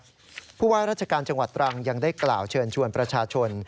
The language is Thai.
เพราะว่าราชการจังหวัดตรังยังได้กล่าวเชิญชวนประชาชน